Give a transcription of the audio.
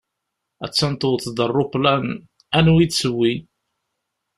A-tt-an tewweḍ-d ṛṛuplan, Anwi i d-tewwi.